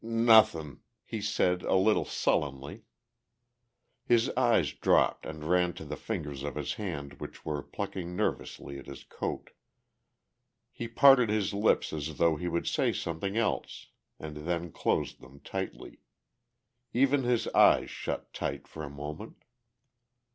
"Nothin'," he said a little sullenly. His eyes dropped and ran to the fingers of his hand which were plucking nervously at his coat. He parted his lips as though he would say something else and then closed them tightly; even his eyes shut tight for a moment.